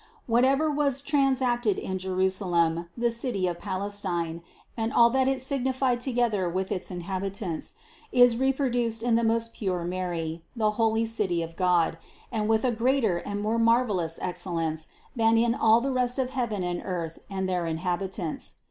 Whatever was transacted in Jerusalem, the city of Palestine, and all that it signified together with its inhabitants, is repro duced in the most pure Mary, the holy City of God, and with a greater and more marvelous excellence than in all the rest of heaven and earth and their inhabitants.